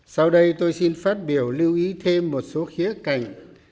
sau đây tôi xin phát biểu lưu ý thêm một số khía cạnh